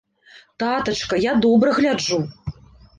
Татачка, я добра гляджу!